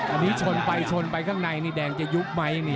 อันนี้ชนไปชนไปข้างในนี่แดงจะยุบไหม